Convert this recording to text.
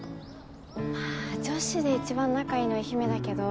まあ女子で一番仲いいのは陽芽だけど